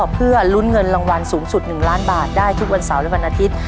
เพื่อลุ้นเงินรางวัลสูงสุด๑ล้านบาทได้ทุกวันเสาร์และวันอาทิตย์